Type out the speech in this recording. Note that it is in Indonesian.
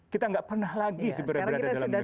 kita nggak pernah lagi berada dalam negara demokrasi